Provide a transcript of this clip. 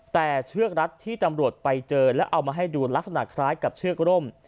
แต่เชือกรัดที่ตำรวจไปเจอแล้วเอามาให้ดูลักษณะคล้ายกับเชือกร่ม